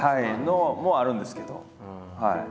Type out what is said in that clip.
のもあるんですけど。